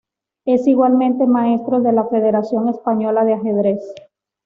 Es igualmente maestro de la federación española de ajedrez.